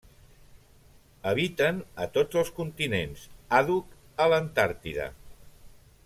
Habiten a tots els continents, àdhuc a l'Antàrtida.